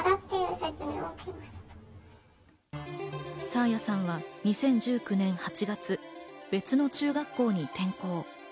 爽彩さんは２０１９年８月、別の中学校に転校。